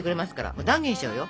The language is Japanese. もう断言しちゃうよ。